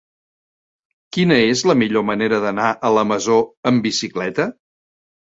Quina és la millor manera d'anar a la Masó amb bicicleta?